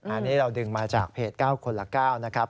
อันนี้เราดึงมาจากเพจ๙คนละ๙นะครับ